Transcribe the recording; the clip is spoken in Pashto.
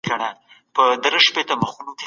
ځینې لیکوالان د کره کتنې له ویرې لیکوالۍ نه کوي.